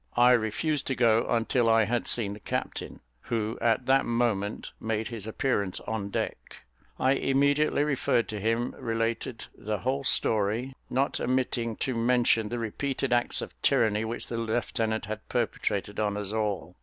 I refused to go until I had seen the captain, who at that moment made his appearance on deck. I immediately referred to him, related the whole story, not omitting to mention the repeated acts of tyranny which the lieutenant had perpetrated on us all.